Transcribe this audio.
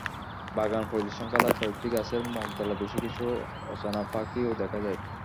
বাগান পরিদর্শনকালে কয়েকটি গাছের মগডালে বেশ কিছু অচেনা পাখিও দেখা যায়।